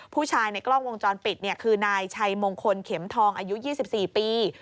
ในกล้องวงจรปิดคือนายชัยมงคลเข็มทองอายุ๒๔ปี